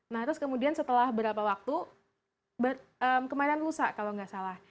nah terus kemudian setelah berapa waktu kemarin lusa kalau nggak salah